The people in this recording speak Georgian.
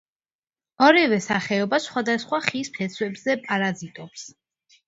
ორივე სახეობა სხვადასხვა ხის ფესვებზე პარაზიტობს.